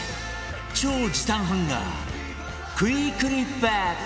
超時短ハンガークイクリップ！